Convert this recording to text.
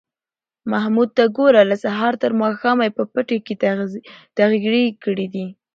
محمود ته گوره! له سهاره تر ماښامه یې په پټي کې تغړېدل کړي